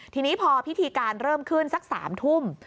ทีนี้พอพิธีการเริ่มขึ้นสัก๓ทุ่ม